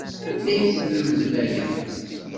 Anda ay tlemdem aya?